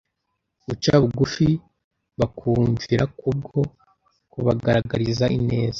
guca bugufi bakumvira kubwo kubagaragariza ineza